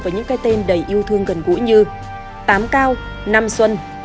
với những cái tên đầy yêu thương gần gũi như tám cao nam xuân